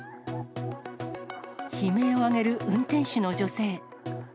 悲鳴を上げる運転手の女性。